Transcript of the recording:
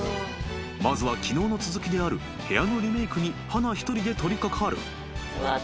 ［まずは昨日の続きである部屋のリメークに華一人で取り掛かる］